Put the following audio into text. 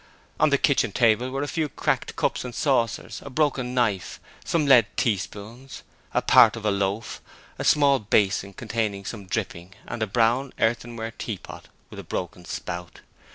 On the kitchen table were a few cracked cups and saucers, a broken knife, some lead teaspoons, a part of a loaf, a small basin containing some dripping and a brown earthenware teapot with a broken spout.